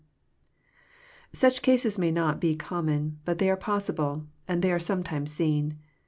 Such cases may not be common ; but they are possible, and they are sometimes Seen.